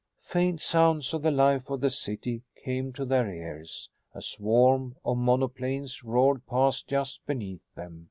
Faint sounds of the life of the city came to their ears. A swarm of monoplanes roared past just beneath them.